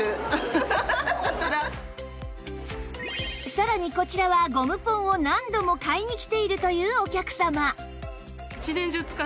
さらにこちらはゴムポンを何度も買いに来ているというお客様